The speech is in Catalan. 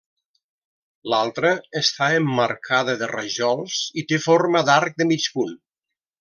L'altra està emmarcada de rajols i té forma d'arc de mig punt.